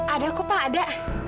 ada kok pak ada